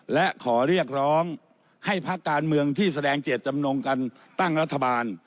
และขอเรียกร้องให้พักการเมืองที่แสดงเจตจำนงกันตั้งรัฐบาล